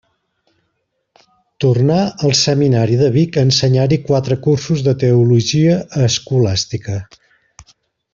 Tornà al Seminari de Vic a ensenyar-hi quatre cursos de teologia escolàstica.